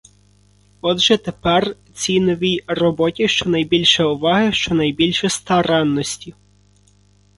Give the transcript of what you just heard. Отже, тепер цій новій роботі — щонайбільше уваги, щонайбільше старанності!